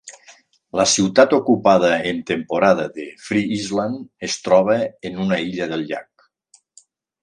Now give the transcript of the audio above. La ciutat ocupada en temporada de Frye Island es troba en una illa del llac.